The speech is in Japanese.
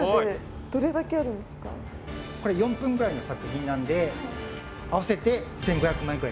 これ４分ぐらいの作品なんで合わせて１５００枚ぐらいです。